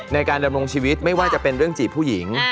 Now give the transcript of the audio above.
ในการดำรงชีวิตไม่ว่าจะเป็นเรื่องจีบผู้หญิง